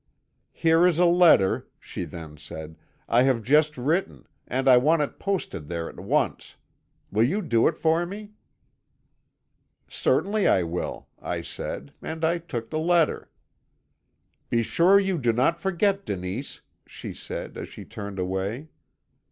"'Here is a letter,' she then said, 'I have just written, and I want it posted there at once. Will you do it for me?' "'Certainly I will,' I said, and I took the letter. "'Be sure you do not forget, Denise,' she said, as she turned away.